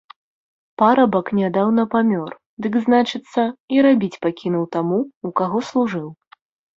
Парабак нядаўна памёр, дык, значыцца, і рабіць пакінуў таму, у каго служыў.